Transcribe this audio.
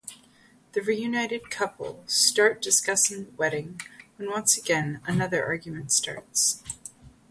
The reunited couple start discussing the wedding when once again another argument starts.